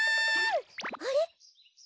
あれ？